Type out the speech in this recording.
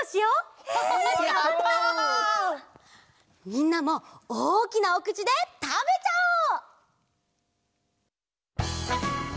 みんなもおおきなおくちでたべちゃおう！